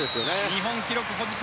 日本記録保持者